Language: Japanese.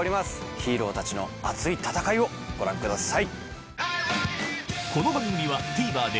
ヒーローたちの熱い戦いをご覧ください。